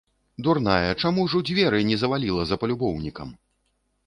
Дурная, чаму ж дзверы не заваліла за палюбоўнікам!